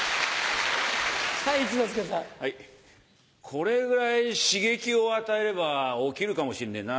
これぐらい刺激を与えれば起きるかもしんねえな。